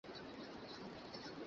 তিনি একাধিক গ্রন্থ রচনা করেছেন।